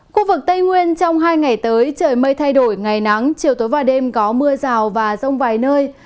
khu vực tây nguyên trong hai ngày tới trời mây thay đổi ngày nắng chiều tối và đêm có mưa rào và rông vài nơi